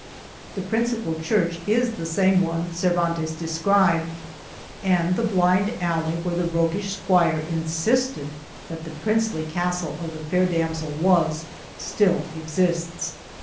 The principal church is the same one Cervan tes described, and the blind alley where the roguish squire insisted that the princely castle of the fair damsel was, still exists.